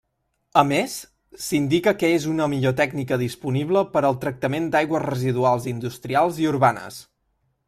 A més, s'indica que és una millor tècnica disponible per al tractament d'aigües residuals industrials i urbanes.